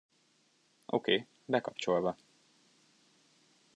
Oké, bekapcsolva.